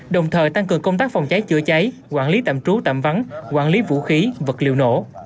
đồng thời tăng cường công tác phòng cháy chữa cháy quản lý tạm trú tạm vắng quản lý vũ khí vật liệu nổ